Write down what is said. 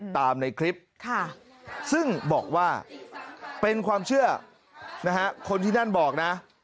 ในคลิปซึ่งบอกว่าเป็นความเชื่อนะฮะคนที่นั่นบอกนะ